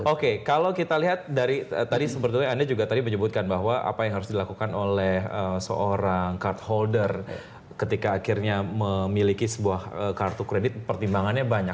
oke kalau kita lihat dari tadi sebetulnya anda juga tadi menyebutkan bahwa apa yang harus dilakukan oleh seorang card holder ketika akhirnya memiliki sebuah kartu kredit pertimbangannya banyak